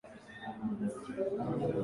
katika magazeti hii naanza na lefigaho